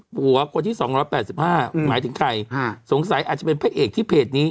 คนที่๒๘๕หมายถึงใครสงสัยอาจจะเป็นพระเอกที่เพจนี้